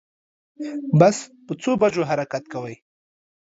بس په څو بجو حرکت کوی